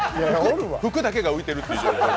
服だけが浮いてるっていう？